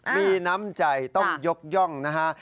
มีน้ำใจต้องยกย่องนะฮะ